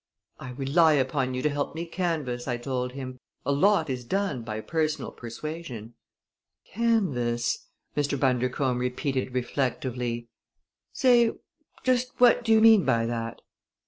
"I rely upon you to help me canvass," I told him. "A lot is done by personal persuasion." "Canvass!" Mr. Bundercombe repeated reflectively. "Say, just what do you mean by that?"